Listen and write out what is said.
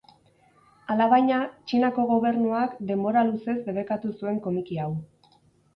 Alabaina, Txinako gobernuak denbora luzez debekatu zuen komiki hau.